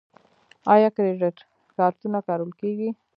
آیا کریډیټ کارتونه کارول کیږي؟